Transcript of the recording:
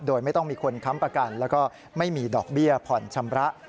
โดยไม่ต้องมีคนค้ำประกันแล้วก็ไม่มีดอกเบี้ยผ่อนชำระ